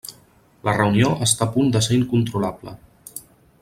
La reunió està a punt de ser incontrolable.